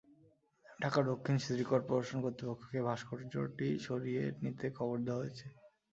ঢাকা দক্ষিণ city corporation কর্তৃপক্ষকে ভাস্কর্যটি সরিয়ে নিতে খবর দেওয়া হয়েছে।